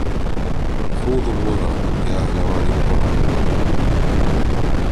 خوضوا الوغى يا أهل وادي القرى